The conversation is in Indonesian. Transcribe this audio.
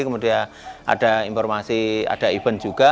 kemudian ada informasi ada event juga